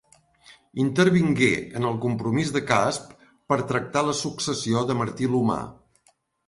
Intervingué en el Compromís de Casp per tractar la successió de Martí l'Humà.